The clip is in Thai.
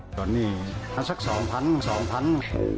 ตอนนี้มันสัก๒๐๐๒๐๐บาท